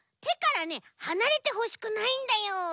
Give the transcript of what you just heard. てからねはなれてほしくないんだよ。